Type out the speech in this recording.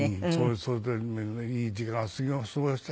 それでいい時間を過ごしたんですよ。